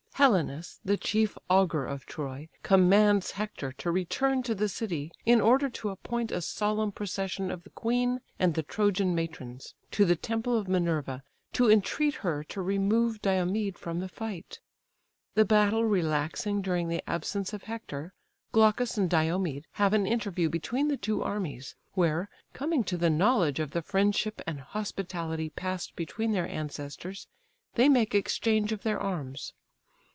Helenus, the chief augur of Troy, commands Hector to return to the city, in order to appoint a solemn procession of the queen and the Trojan matrons to the temple of Minerva, to entreat her to remove Diomed from the fight. The battle relaxing during the absence of Hector, Glaucus and Diomed have an interview between the two armies; where, coming to the knowledge, of the friendship and hospitality passed between their ancestors, they make exchange of their arms.